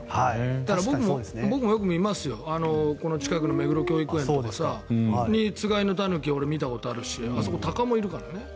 ただ、僕もよく見ますよこの近くの目黒辺りとかつがいのタヌキ見たことがあるしあそこ、タカもいるからね。